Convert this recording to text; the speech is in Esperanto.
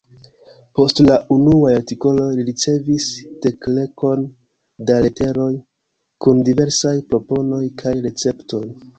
Post la unuaj artikoloj li ricevis dekkelkon da leteroj kun diversaj proponoj kaj receptoj.